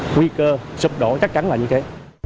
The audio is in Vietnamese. nguy cơ sụp đổ chắc chắn là như thế